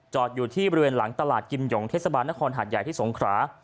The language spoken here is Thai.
อยู่ที่บริเวณหลังตลาดกิมหยงเทศบาลนครหาดใหญ่ที่สงขรา